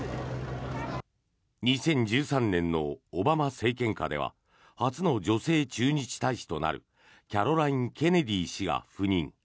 ２０１３年のオバマ政権下では初の女性駐日大使となるキャロライン・ケネディ氏が就任。